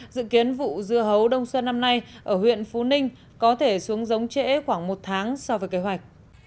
dự kiến vụ dưa hấu đông xuân năm nay ở huyện phú ninh có thể xuống giống trễ khoảng một tháng so với kế hoạch